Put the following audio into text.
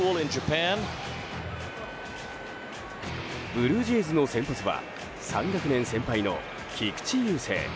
ブルージェイズの先発は３学年先輩の菊池雄星。